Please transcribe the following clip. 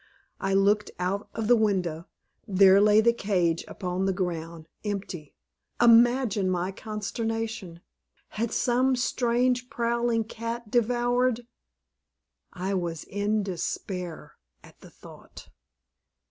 I looked out of the window; there lay the cage upon the ground, empty. Imagine my consternation! Had some strange, prowling cat devoured ? I was in despair at the thought.